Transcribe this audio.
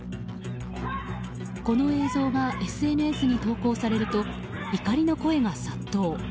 この映像がＳＮＳに投稿されると怒りの声が殺到。